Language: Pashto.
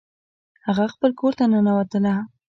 هغه خپل کور ته ننوتله